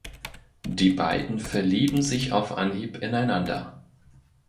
Die beiden verlieben sich auf Anhieb ineinander.